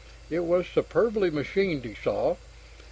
It was superbly machined, he saw.